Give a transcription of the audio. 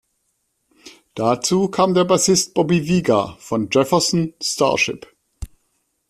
Dazu kam der Bassist Bobby Vega von Jefferson Starship.